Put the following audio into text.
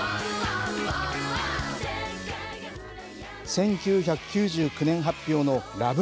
１９９９年発表のＬＯＶＥ